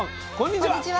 こんにちは。